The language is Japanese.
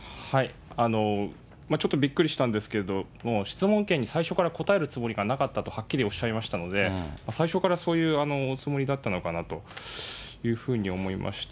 ちょっとびっくりしたんですけども、質問権に最初から答えるつもりがなかったとはっきりおっしゃいましたので、最初からそういうおつもりだったのかなというふうに思いました。